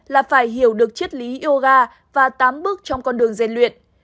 là phải hiểu được chiếc lý yoga và tám bước trong con đường dành luyện